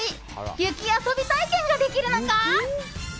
雪遊び体験ができるのか。